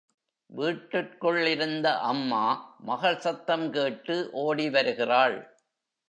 வீட்டிற்குள்ளிருந்த அம்மா, மகள் சத்தம் கேட்டு ஓடிவருகிறாள்.